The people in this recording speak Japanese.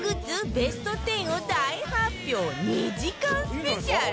ベスト１０を大発表２時間スペシャル